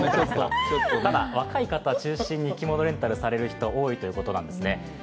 若い方中心に着物レンタルをされる人、多いということなんですね。